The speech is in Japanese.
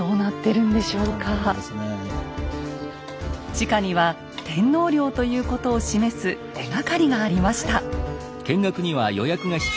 地下には天皇陵ということを示す手がかりがありました。